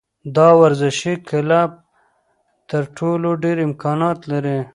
دا ورزشي کلب تر ټولو ډېر امکانات لري.